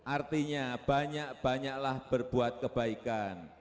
artinya banyak banyaklah berbuat kebaikan